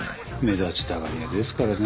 目立ちたがり屋ですからね。